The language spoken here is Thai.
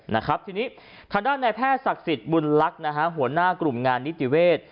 ทางด้านนายแพทย์ศักดิ์สิทธิ์บุญลักษณ์หัวหน้ากลุ่มงานนิติเวท